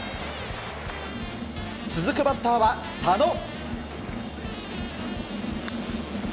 続くバッターは佐野。